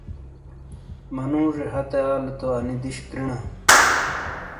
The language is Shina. منوجے ہتے آلے تو انی دش کرینا۔